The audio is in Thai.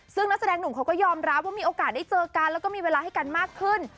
ซึ่งนักแสดงหนุ่มเขาก็ยอมรับว่ามีโอกาสได้เจอกันแล้วก็มีเวลาให้กันมากขึ้น